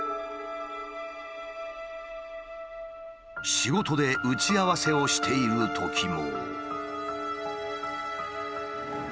仕事で打ち合わせをしているときも。